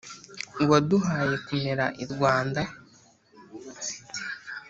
uwaduhaye kumera i rwanda.